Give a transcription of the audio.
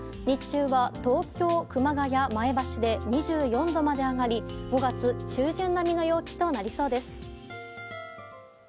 日中は東京、熊谷、前橋で２４度まで上がり５月中旬並みの陽気となりそうです。